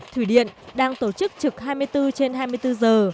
thủy điện đang tổ chức trực hai mươi bốn trên hai mươi bốn giờ